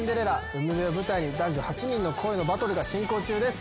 海辺を舞台に男女８人の恋のバトルが進行中です。